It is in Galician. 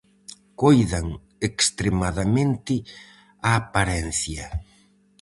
Coidan extremadamente a aparencia.